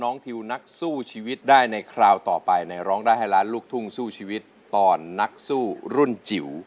ทิวนักสู้ชีวิตได้ในคราวต่อไปในร้องได้ให้ล้านลูกทุ่งสู้ชีวิตตอนนักสู้รุ่นจิ๋ว